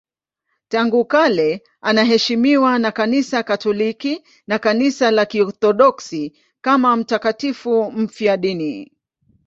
Tangu kale anaheshimiwa na Kanisa Katoliki na Kanisa la Kiorthodoksi kama mtakatifu mfiadini.